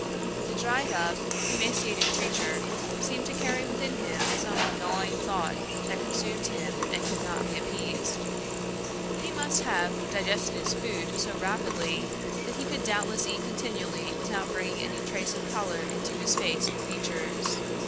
The dried up, emaciated creature seemed to carry within him some gnawing thought that consumed him and could not be appeased. He must have digested his food so rapidly that he could doubtless eat continually without bringing any trace of color into his face or features.